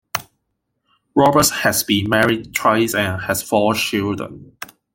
Roberts has been married twice and has four children.